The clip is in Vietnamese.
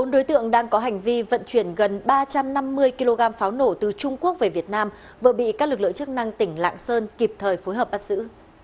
bốn đối tượng đang có hành vi vận chuyển gần ba trăm năm mươi kg pháo nổ từ trung quốc về việt nam vừa bị các lực lượng chức năng tỉnh lạng sơn kịp thời phối hợp bắt giữ